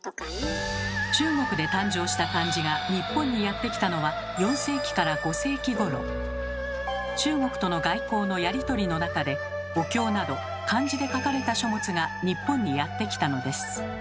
中国で誕生した漢字が日本にやって来たのは中国との外交のやり取りの中でお経など漢字で書かれた書物が日本にやって来たのです。